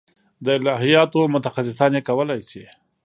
د الهیاتو متخصصان یې کولای شي.